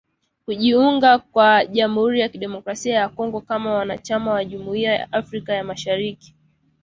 kujiunga kwa jamhuri ya kidemokrasia ya Kongo kama mwanachama wa jumuia ya Afrika ya mashariki